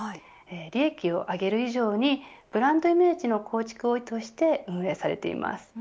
利益を上げる以上にブランドイメージの構築として運営されています。